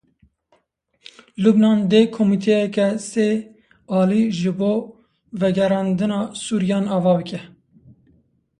Lubnan dê komîteyeke sê alî ji bo vegerandina Sûriyan ava bike.